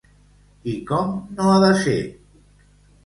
I com no ha de ser?